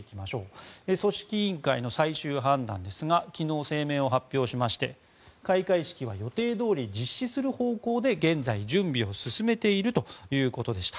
組織委員会の最終判断ですが昨日、声明を発表しまして開会式は予定どおり実施する方向で現在、準備を進めているということでした。